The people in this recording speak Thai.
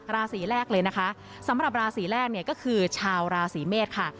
ราศีแรกเลยนะคะสำหรับราศีแรกเนี่ยก็คือชาวราศีเมษค่ะ